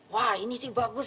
wah ini sih bagus